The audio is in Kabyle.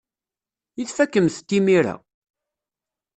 I tfakemt-t imir-a?